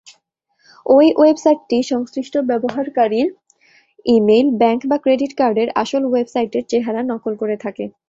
ঐ ওয়েবসাইটটি সংশ্লিষ্ট ব্যবহারকারীর ইমেইল, ব্যাংক বা ক্রেডিট কার্ডের আসল ওয়েবসাইটের চেহারা নকল করে থাকে।